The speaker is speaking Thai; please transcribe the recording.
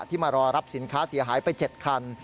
มารอรับสินค้าเสียหายไป๗คัน